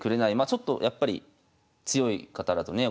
ちょっとやっぱり強い方だとね